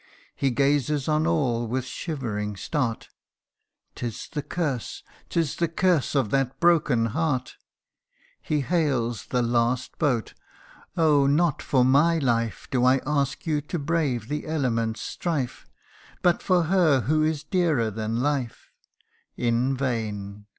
He gazes on all with shivering start " 'Tis the curse 'tis the curse of that broken heart !" He hails the last boat " Oh ! not for my life Do I ask you to brave the element's strife ; But for her who is dearer than life " in vain